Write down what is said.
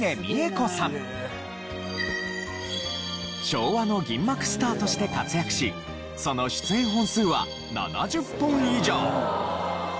昭和の銀幕スタートして活躍しその出演本数は７０本以上。